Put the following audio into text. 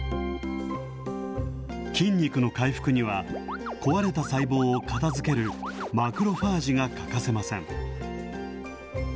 筋肉の回復には、壊れた細胞を片づけるマクロファージが欠かせません。